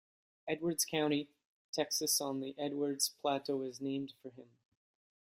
Edwards County, Texas on the Edwards Plateau is named for him.